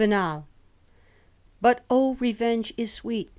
*' But O / Revenge is sweet.